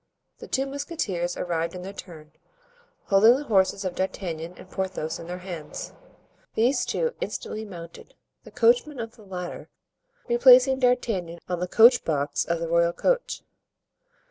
The two musketeers arrived in their turn, holding the horses of D'Artagnan and Porthos in their hands. These two instantly mounted, the coachman of the latter replacing D'Artagnan on the coach box of the royal coach.